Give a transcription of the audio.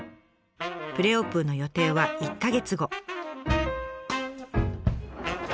プレオープンの予定は１か月後。